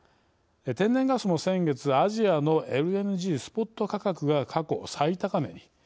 天然ガスも、先月アジアのＬＮＧスポット価格が過去最高値に。